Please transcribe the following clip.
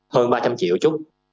hơn ba trăm linh triệu chút